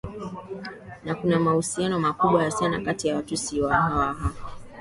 Na kuna mahususiano makubwa sana kati ya Watusi na Waha